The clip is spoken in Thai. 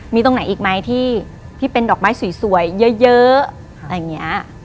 มีตรงไหนอีกไหมที่เป็นดอกไม้สวยเยอะอะไรอย่างนี้